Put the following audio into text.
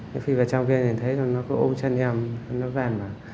cái phi vật trong kia mình thấy rồi nó cứ ôm chân em nó vèn mà